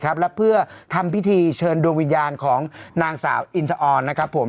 และเพื่อทำพิธีเชิญดวงวิญญาณของนางสาวอินทออนนะครับผม